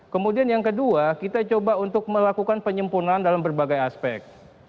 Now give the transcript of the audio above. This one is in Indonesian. kemudian yang kedua kita coba untuk melakukan penyempurnaan dalam berbagai aspek